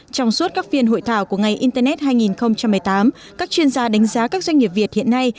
trong suốt các phiên hội thảo của ngày internet hai nghìn một mươi tám các chuyên gia đánh giá các doanh nghiệp việt hiện nay